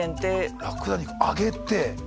ラクダ肉揚げて。